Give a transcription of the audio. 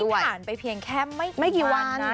ผ่านไปเพียงแค่ไม่กี่วันนะ